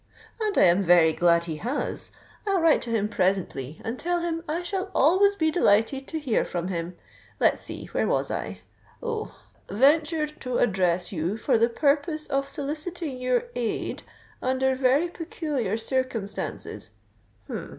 _' And I am very glad he has: I'll write to him presently and tell him I shall always be delighted to hear from him. Let's see—where was I? Oh!—'ventured to address you for the purpose of soliciting your aid under very peculiar circumstances.' Hem!